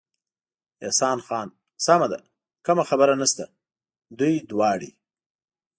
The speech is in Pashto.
احسان خان: سمه ده، کومه خبره نشته، دوی دواړې.